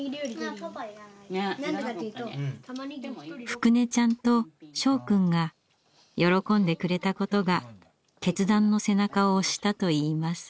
福音ちゃんと従くんが喜んでくれたことが決断の背中を押したといいます。